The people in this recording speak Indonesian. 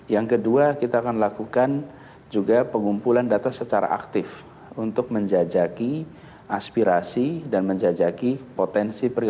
yang kedua kita akan lakukan juga pengumpulan data secara aktif untuk menjajaki aspirasi dan menjajaki potensi perilaku kalau ini diterapkan jangka panjang